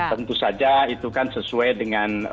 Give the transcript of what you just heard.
tentu saja itu kan sesuai dengan